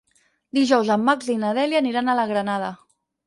Dijous en Max i na Dèlia aniran a la Granada.